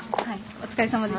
お疲れさまです。